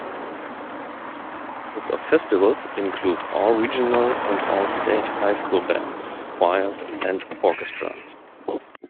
Some examples of festivals include All-Regional and All-State High School Bands, Choirs and Orchestras.